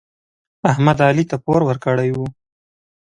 احمد علي ته پور ورکړی و.